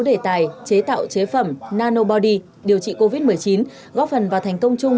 đề tài chế tạo chế phẩm nanobody điều trị covid một mươi chín góp phần vào thành công chung